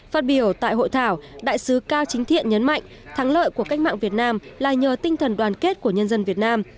phát biểu tại hội thảo đại sứ cao chính thiện nhấn mạnh thắng lợi của cách mạng việt nam là nhờ tinh thần đoàn kết của nhân dân việt nam